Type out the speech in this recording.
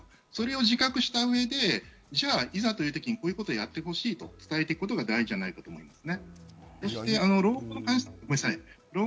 それを自覚した上で、いざという時に、こういうことをやってほしいと伝えていくことが大事だと思います。